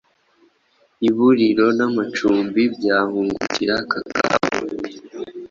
Uburiro n’amacumbi byahungukira kakahava.